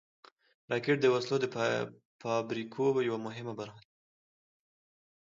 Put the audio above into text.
راکټ د وسلو د فابریکو یوه مهمه برخه ده